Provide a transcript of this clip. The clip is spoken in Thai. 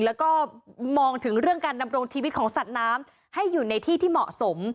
แล้วก็มองถึงเรื่องการดำรงชีวิตของสัตว์น้ำให้อยู่ในที่ที่เหมาะสม